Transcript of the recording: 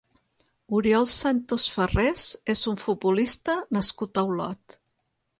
Oriol Santos Ferrés és un futbolista nascut a Olot.